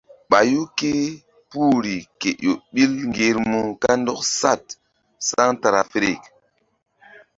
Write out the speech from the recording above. Ɓayu ké puhri ke ƴo ɓil ŋgermu kandɔk saɗ centrafirik.